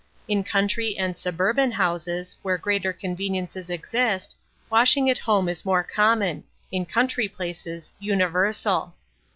In country and suburban houses, where greater conveniences exist, washing at home is more common, in country places universal.